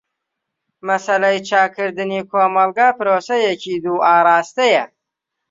مەسەلەی چاکردنی کۆمەلگا پرۆسەیەکی دوو ئاراستەیە.